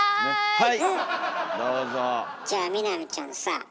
はい。